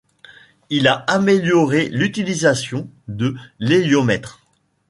Il a amélioré l'utilisation de l'héliomètre.